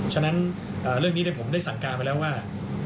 ฉะนั้นเรื่องนี้ผมได้สั่งการไปแล้วว่า